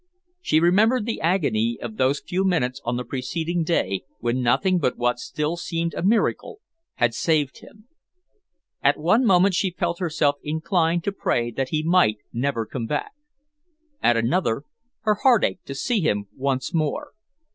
She remembered the agony of those few minutes on the preceding day, when nothing but what still seemed a miracle had saved him. At one moment she felt herself inclined to pray that he might never come back. At another, her heart ached to see him once more.